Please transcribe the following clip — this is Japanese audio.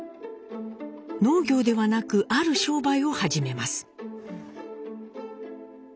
農業ではなくある商売を始めます。